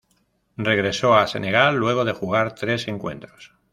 Regresó a Senegal luego de jugar tres encuentros.